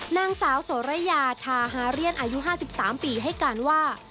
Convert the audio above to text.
นางสาวโสระยาทาฮาเรียนอายุ๕๓ปีให้การว่า